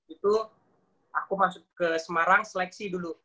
itu aku masuk ke semarang seleksi dulu